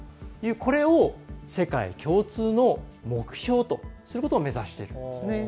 これを、世界共通の目標とすることを目指しているんですね。